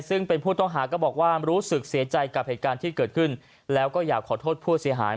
ซึ่งเป็นผู้ต้องหาก็บอกว่ารู้สึกเสียใจกับเหตุการณ์ที่เกิดขึ้นแล้วก็อยากขอโทษผู้เสียหาย